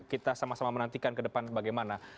kita sama sama menantikan ke depan bagaimana